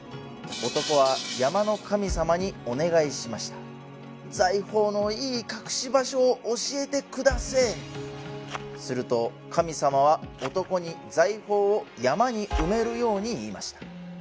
男は山の神様にお願いしました「財宝のいい隠し場所を教えてくだせえ」すると神様は男に財宝を山に埋めるように言いました